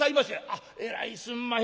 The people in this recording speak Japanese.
「あっえらいすんまへん」。